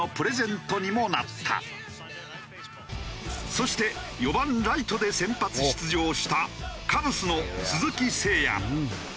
そして４番ライトで先発出場したカブスの鈴木誠也。